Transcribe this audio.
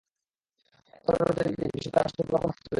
একাত্তরের রোজার ঈদের দিন জসিম তাঁর বাসা থেকে পোলাও-কোরমা খেয়ে চলে যান।